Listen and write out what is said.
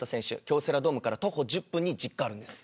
京セラドームから徒歩１０分に実家があるんです。